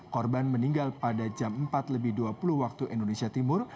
korban meninggal pada jam empat lebih dua puluh waktu indonesia timur